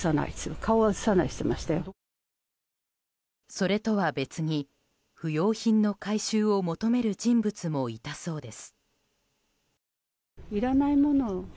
それとは別に、不用品の回収を求める人物もいたそうです。